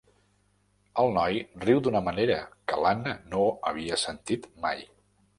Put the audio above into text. El noi riu d'una manera que l'Anna no havia sentit mai.